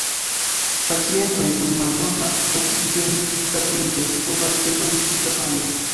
Pacientoj kun malbona oksigensaturiĝo povas bezoni pli da sango.